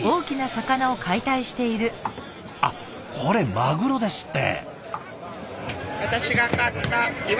あっこれマグロですって。